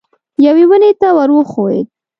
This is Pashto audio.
یوې ونې ته ور وښوېد.